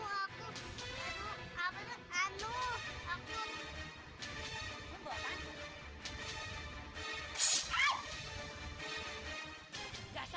enggak satu insya allah